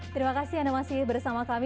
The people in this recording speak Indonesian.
terima kasih anda masih bersama kami